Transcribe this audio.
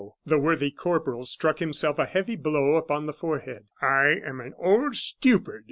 The worthy corporal struck himself a heavy blow upon the forehead. "I am an old stupid!"